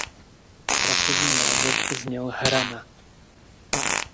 Pracovní název zněl "Hrana".